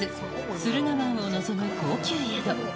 駿河湾を望む高級宿。